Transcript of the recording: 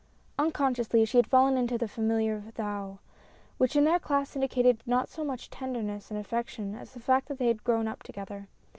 Unconsciously, she had fallen into the familiar thou, which in their class indicated not so much tenderness and affection, as the fact that they had grown up together.